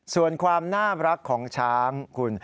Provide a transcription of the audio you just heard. ส่วนความน่ารักของช้างคุณ